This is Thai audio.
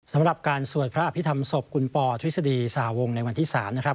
สำหรับการสวดพระอภิษฐรรมศพคุณปอทฤษฎีสหวงในวันที่๓นะครับ